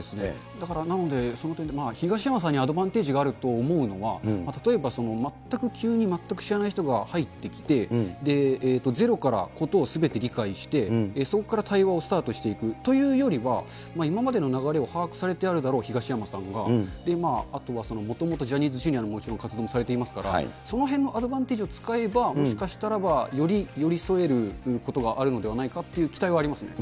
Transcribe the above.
だから、なので、その点で、東山さんにアドバンテージがあると思うのは、例えば全く、急に全く知らない人が入ってきて、ゼロからことをすべて理解して、そこから対応をスタートしていくというよりは、今までの流れを把握されているだろう、東山さんが、あとはもともとジャニーズＪｒ．のもちろん、活動もされていますから、そのへんのアドバンテージを使えば、もしかしたら、より寄り添えることがあるのではないかという期待はありますね。